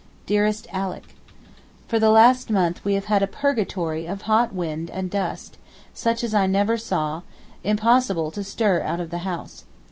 DEAREST ALICK, For the last month we have had a purgatory of hot wind and dust, such as I never saw—impossible to stir out of the house.